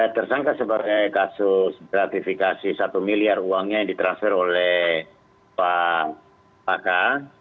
tersangka sebagai kasus gratifikasi satu miliar uangnya yang ditransfer oleh paka